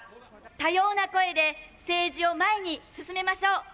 多様な声で政治を前に進めましょう。